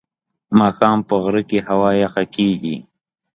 ماښام په غره کې هوا یخه کېږي.